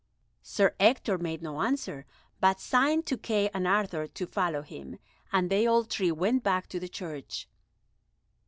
Sir Ector made no answer, but signed to Kay and Arthur to follow him, and they all three went back to the church.